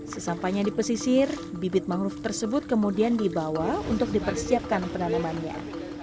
sesampainya di pesisir bibit mangrove tersebut kemudian dibawa untuk dipersiapkan penanamannya